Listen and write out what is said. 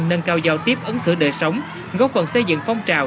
nâng cao giao tiếp ấn sửa đời sống góp phần xây dựng phong trào